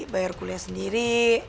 bayar kuliah sendiri